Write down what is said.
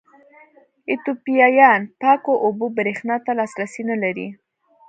ایتوپیایان پاکو اوبو برېښنا ته لاسرسی نه لري.